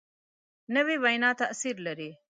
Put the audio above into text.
نوې وینا تاثیر لري